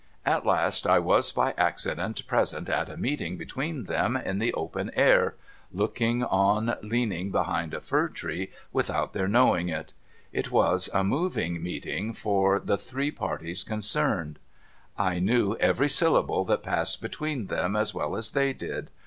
At last I was by accident present at a meeting between them in the open air, looking on leaning behind a fir tree without their knowing of it. It was a 4IO DOCTOR MARIGOLD moviiig meeting for all the three parties concenicd. I knew every syllable that passed ])et\veen them as well as they did.